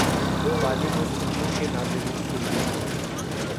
بالی would فلموں کے ناظرین کے لئے ہیں